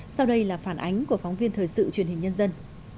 sau đây là phản ánh của phóng viên thời sự truyền hình nhân dân